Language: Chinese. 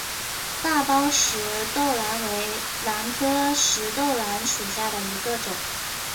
大苞石豆兰为兰科石豆兰属下的一个种。